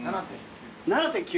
７．９。